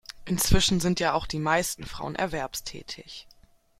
Inzwischen sind ja auch die meisten Frauen erwerbstätig.